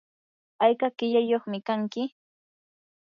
¿ayka qillayyuqmi kanki?